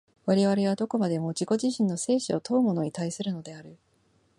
我々はどこまでも自己自身の生死を問うものに対するのである。